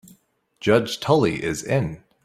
Judge Tully is in.